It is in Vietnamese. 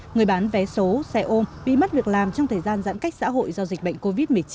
người bán vé số xe ôm bị mất việc làm trong thời gian giãn cách xã hội do dịch bệnh covid một mươi chín